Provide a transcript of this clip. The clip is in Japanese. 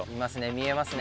見えますね。